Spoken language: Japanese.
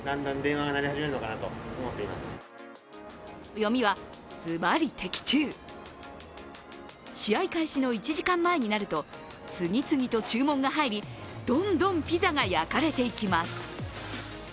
読みはずばり的中、試合開始の１時間前になると、次々と注文が入り、どんどんピザが焼かれていきます。